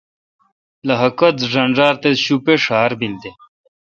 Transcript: لخہ کتہ ݫنݫار تے شوپے تے ڄھار بیل۔